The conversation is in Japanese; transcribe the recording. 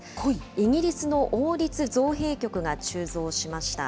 イギリスの王立造幣局が鋳造しました。